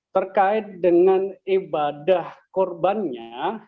terkait dengan ibadah korbannya